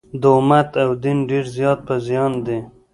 د امت او دین ډېر زیات په زیان دي.